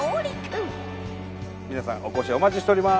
皆さんお越しお待ちしております。